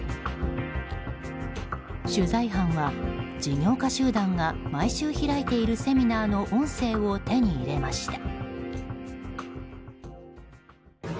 取材班は、事業家集団が毎週開いているセミナーの音声を手に入れました。